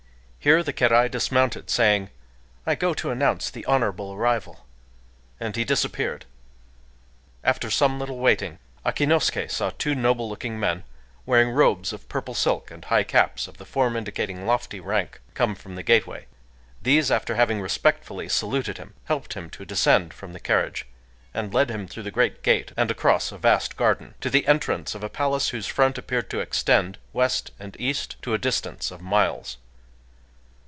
Here the kérai dismounted, saying, "I go to announce the honorable arrival,"—and he disappeared. After some little waiting, Akinosuké saw two noble looking men, wearing robes of purple silk and high caps of the form indicating lofty rank, come from the gateway. These, after having respectfully saluted him, helped him to descend from the carriage, and led him through the great gate and across a vast garden, to the entrance of a palace whose front appeared to extend, west and east, to a distance of miles.